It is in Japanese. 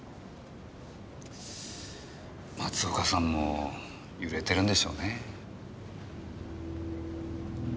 松岡さんも揺れてるんでしょうね。